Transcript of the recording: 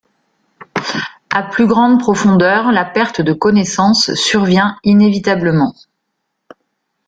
À plus grande profondeur, la perte de connaissance survient inévitablement.